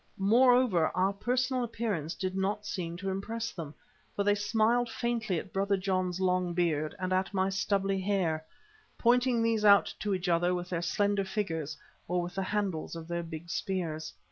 Moreover, our personal appearance did not seem to impress them, for they smiled faintly at Brother John's long beard and at my stubbly hair, pointing these out to each other with their slender fingers or with the handles of their big spears.